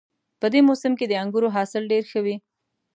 په دې موسم کې د انګورو حاصل ډېر ښه وي